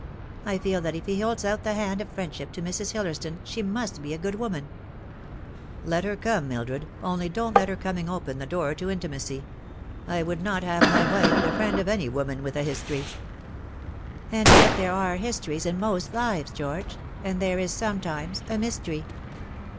I feel that if he holds out the hand of friendship to Mrs. Hillersdon, she must be a good woman." 112 The Fatal Three. " Let her come, Mildred, only don't let her coming open the door to intimacy. I would not have my wife the friend of any woman with a history." " And yet there are histories in most lives, George, and there is sometimes a mystery."